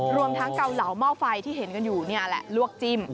รวมทั้งเกาเหลาหม้อไฟที่เห็นกันอยู่นี่แหละลวกจิ้ม